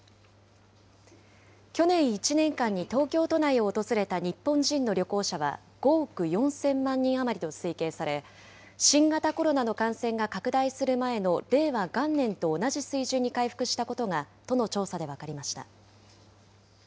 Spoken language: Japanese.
去年１年間に東京都内を訪れた日本人の旅行者は、５億４０００万人余りと推計され、新型コロナの感染が拡大する前の令和元年と同じ水準に回復したことが、都の調査で分かりました。